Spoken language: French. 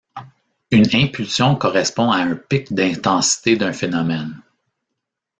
Une impulsion correspond à un pic d'intensité d'un phénomène.